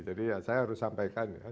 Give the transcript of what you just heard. jadi ya saya harus sampaikan ya